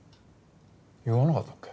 言わなかったっけ？